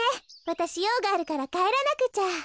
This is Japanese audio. わたしようがあるからかえらなくちゃ。